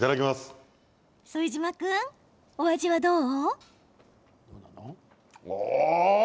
副島君、お味はどう？